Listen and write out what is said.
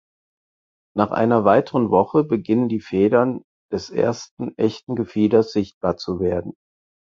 Nach einer weiteren Woche beginnen die Federn des ersten echten Gefieders sichtbar zu werden.